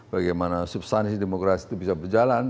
bagaimana substansi demokrasi itu bisa berjalan